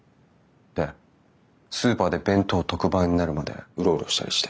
でスーパーで弁当特売になるまでウロウロしたりして。